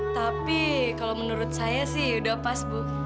tapi kalau menurut saya sih udah pas bu